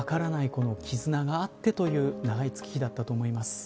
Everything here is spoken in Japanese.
この絆があってという長い月日だったと思います。